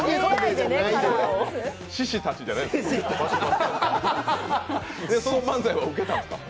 志士たちじゃないんですよ